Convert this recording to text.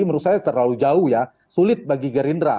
menurut saya terlalu jauh ya sulit bagi gerindra